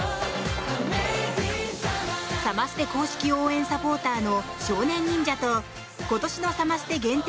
サマステ公式応援サポーターの少年忍者と今年のサマステ限定